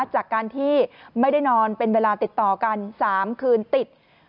จากการที่ไม่ได้นอนเป็นเวลาติดต่อกัน๓คืนติด